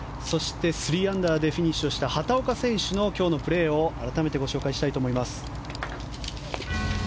３アンダーでフィニッシュをした畑岡選手の今日のプレーを改めてご紹介したいと思います。